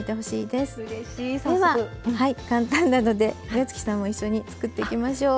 では簡単なので岩槻さんも一緒につくっていきましょう。